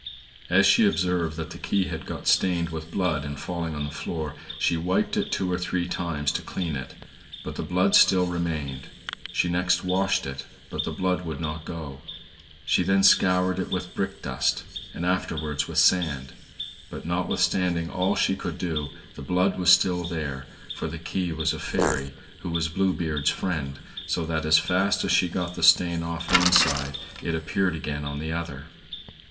As she observed that the key had got stained with blood in falling on the floor, she wiped it two or three times to clean it; but the blood still remained; she next washed it; but the blood did not go; she then scoured it with brickdust, and afterwards with sand. But notwithstanding all she could do, the blood was still there, for the key was a fairy, who was Blue Beard's friend, so that as fast as she got the stain off one side it appeared again on the other.